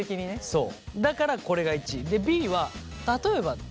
そう。